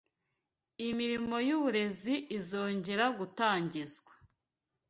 imirimo y’uburezi izongera gutangizwa